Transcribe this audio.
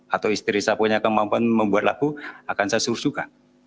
atau istri saya punya kemampuan membuat lagu akan saya suruh suka